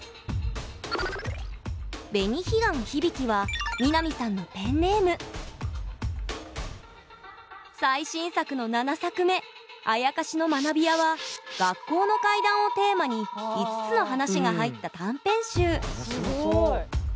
「紅彼岸響」は美波さんのペンネーム最新作の７作目「妖の学び舎」は学校の怪談をテーマに５つの話が入った短編集すごい。